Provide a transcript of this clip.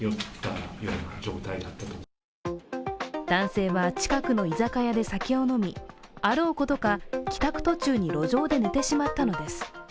男性は近くの居酒屋で酒を飲みあろうことか帰宅途中に路上で寝てしまったのです。